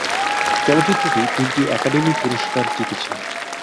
চলচ্চিত্রটি তিনটি একাডেমী পুরস্কার জিতেছে।